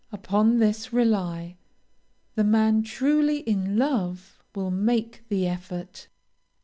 Upon this rely, the man truly in love will make the effort.